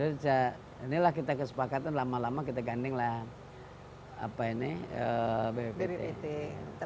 inilah kita kesepakatan lama lama kita gandinglah bppt